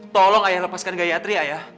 tolong ayah lepaskan gayatri ayah